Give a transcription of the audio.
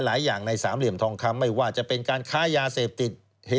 หลายอย่างในสามเหลี่ยมทองคำไม่ว่าจะเป็นการค้ายาเสพติด